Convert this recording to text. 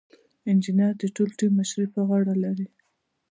انجینر د ټول ټیم مشري په غاړه لري.